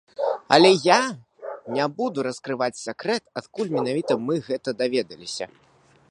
Але я не буду раскрываць сакрэт, адкуль менавіта мы гэта даведаліся.